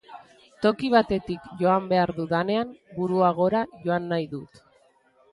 Toki batetik joan behar dudanean, burua gora joan nahi dut.